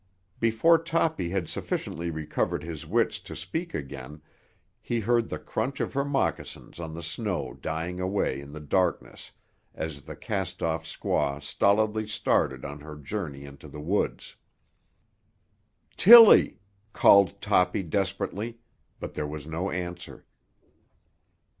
Before Toppy had sufficiently recovered his wits to speak again he heard the crunch of her moccasins on the snow dying away in the darkness as the cast off squaw stolidly started on her journey into the woods. "Tilly!" called Toppy desperately, but there was no answer.